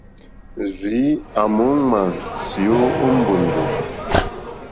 Rzìi a mò uŋmà syo o mbòndò.